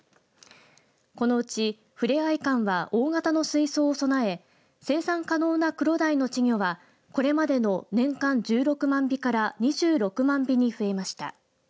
このうち、ふれあい館は大型の水槽を備え生産可能なクロダイの稚魚はこれまでの年間１６万尾から２６万尾に増えました。